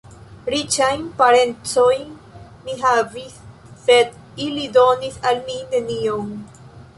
Riĉajn parencojn mi havis, sed ili donis al mi nenion.